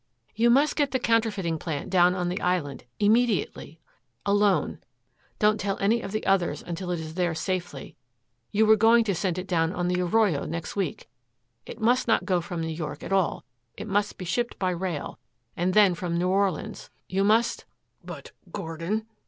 "You must get the counterfeiting plant down on the island immediately alone. Don't tell any of the others until it is there safely. You were going to send it down on the Arroyo next week. It must not go from New York at all. It must be shipped by rail, and then from New Orleans. You must " "But Gordon?"